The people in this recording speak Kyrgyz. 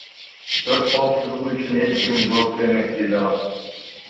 Өрт коопсуздугу үчүн эч ким жоопту эмес, — деди ал.